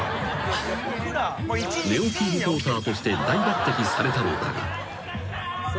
［寝起きリポーターとして大抜てきされたのだが］